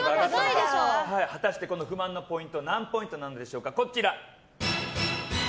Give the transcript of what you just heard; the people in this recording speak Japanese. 果たしてこの不満ポイントは何ポイントでしょうか。